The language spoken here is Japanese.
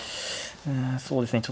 うんそうですね